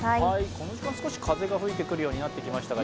この時間少し風が吹くようになってきましたね。